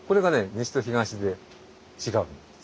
西と東で違うんです。